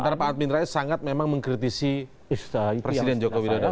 antara pak admin rais sangat memang mengkritisi presiden joko widodo